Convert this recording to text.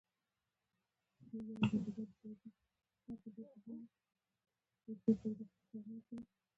د نوښتونو د هڅونې په موخه شوروي نوی پروګرام معرفي کړ